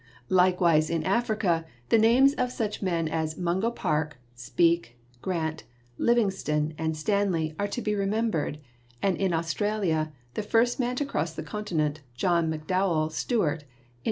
Likewise in Africa the names of such men as Mungo Park, Speke, Grant, Livingstone and Stanley are to be remembered, and in Australia, the first man to cross the continent, John McDowall Stuart, in 1862.